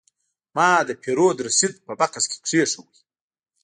ما د پیرود رسید په بکس کې کېښود.